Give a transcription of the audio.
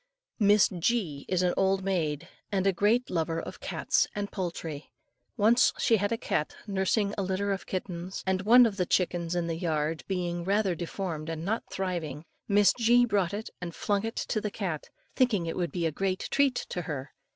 Miss G is an old maid, and a great lover of cats and poultry. Once she had a cat nursing a litter of kittens, and one of the chickens in the yard being rather deformed and not thriving, Miss G. brought it and flung it to the cat, thinking it would be a great treat to her.